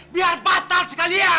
biar batal sekalian